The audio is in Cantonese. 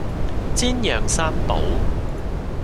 煎釀三寶